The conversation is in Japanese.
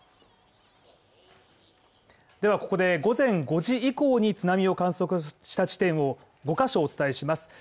ではここで午前５時以降に津波を観測した地点を５ヶ所をお伝えします